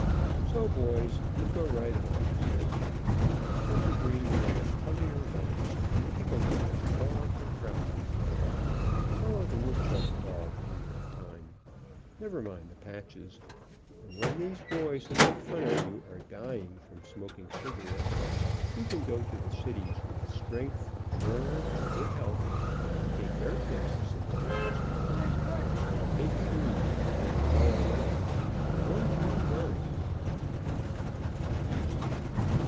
So, boys, you go right on barefooted, let the green grass color your legs, and the tickle grass crawl up your trousers legs, follow the woodchuck dog when you have time, never mind the patches, and when these boys who make fun of you are dying from smoking cigarettes, you can go to the cities with strength, nerve, and good health, and take their places in the business world, and wear big shoes, made of yellow leather. Don't you worry.